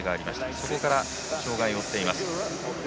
そこから障がいを負っています。